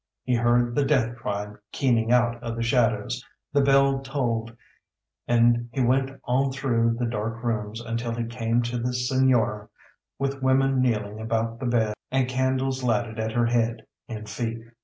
He heard the death cry keening out of the shadows, the bell tolled, and he went on through the dark rooms, until he came to the señora, with women kneeling about the bed, and candles lighted at her head and feet.